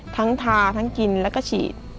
ทาทั้งกินแล้วก็ฉีด